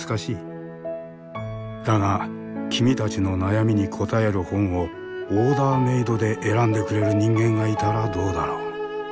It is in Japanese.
だが君たちの悩みに答える本をオーダーメードで選んでくれる人間がいたらどうだろう？